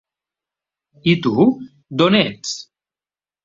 I tu, don ets?